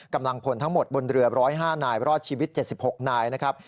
กำลังพลทั้งหมดบนเรือ๑๐๕นายรอดชีวิต๗๖นายนะครับ